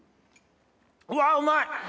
うわうまい。